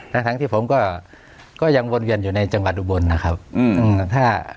ทั้งทั้งที่ผมก็ยังวนเวียนอยู่ในจังหวัดอุบลนะครับอืมถ้า